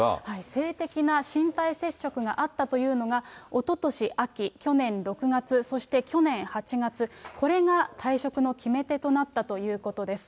性的な身体接触があったというのがおととし秋、去年６月、そして去年８月、これが退職の決め手となったということです。